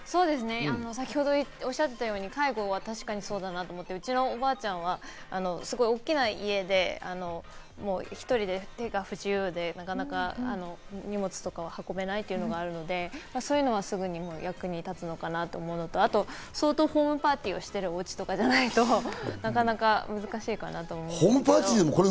先ほど、おっしゃっていたように介護は確かにそうだなと思って、うちのおばあちゃんは大きな家で１人で手が不自由で、なかなか荷物とかを運べないというのがあるので、そういうのはすぐに役立つのかなというのと、相当ホームパーティーをしてるおうちとかじゃないと、なかなか難しいかなと思いますけど。